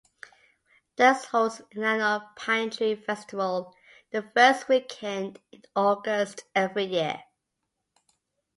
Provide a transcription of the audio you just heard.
Dierks holds an annual Pine Tree Festival the first weekend in August every year.